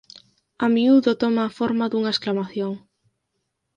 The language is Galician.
A miúdo toma a forma dunha exclamación.